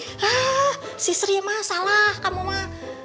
enggak si sri mah salah kamu mah